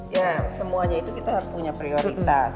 ya semuanya itu kita harus punya prioritas